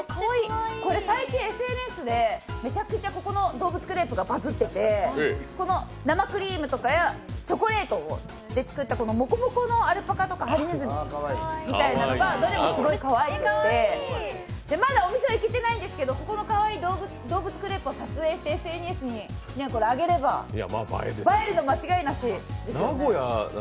これ最近、ＳＮＳでめちゃくちゃここの動物クレープがバズってて生クリームとかチョコレートで作ったもこもこのアルパカとかハリネズミみたいなのがどれもすごいかわいくてまだお店は行けてないんですけどここのかわいい動物クレープを撮影してＳＮＳに上げれば映えるの間違いなしですよね。